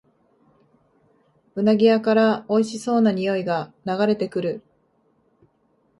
うなぎ屋からおいしそうなにおいが流れてくる